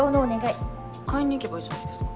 買いに行けばいいじゃないですか。